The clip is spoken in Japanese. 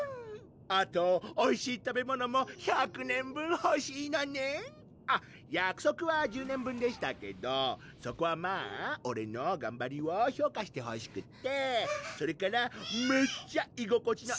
あとおいしい食べ物も１００年分ほしいのねんあっ約束は１０年分でしたけどそこはまぁオレのがんばりを評価してほしくってそれからえるぅ！